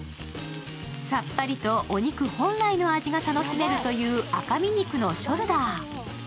さっぱりとお肉本来の味が楽しめるという赤身肉のショルダー。